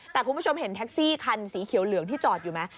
แต่คุณผู้ชมเห็นแท็กซี่คันสีเขียวเหลืองที่จอดอยู่ไหม